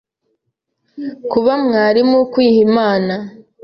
kuba mwarimu, kwiha Imana,